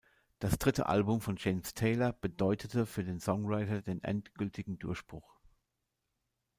Das dritte Album von James Taylor bedeutete für den Songwriter den endgültigen Durchbruch.